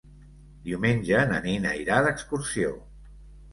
Diumenge na Nina irà d'excursió.